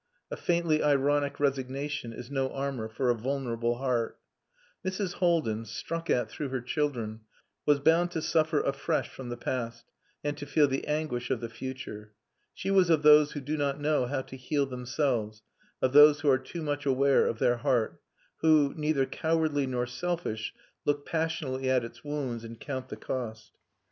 A faintly ironic resignation is no armour for a vulnerable heart. Mrs. Haldin, struck at through her children, was bound to suffer afresh from the past, and to feel the anguish of the future. She was of those who do not know how to heal themselves, of those who are too much aware of their heart, who, neither cowardly nor selfish, look passionately at its wounds and count the cost.